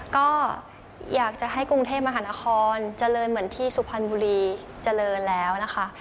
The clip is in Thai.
ก็อยากจะให้กรุงเทพมหานครเจริญเหมือนที่สุพรรณบุรีเจริญแล้วนะคะ